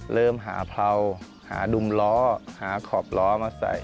เริ่มหาเพราหาดุมล้อหาขอบล้อมาใส่